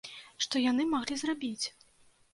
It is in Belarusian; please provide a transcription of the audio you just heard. Што яны маглі зрабіць?